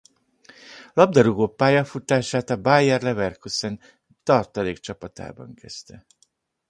Labdarúgó pályafutását a Bayer Leverkusen tartalékcsapatában kezdte.